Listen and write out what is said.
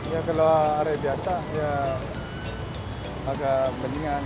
ya kalau area biasa ya agak beningan